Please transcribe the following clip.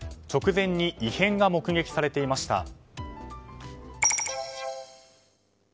直前に異変が目撃されていました。